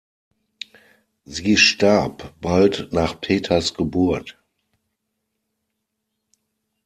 Sie starb bald nach Peters Geburt.